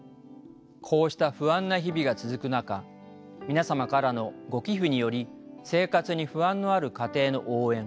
こうした不安な日々が続く中皆様からのご寄付により生活に不安のある家庭の応援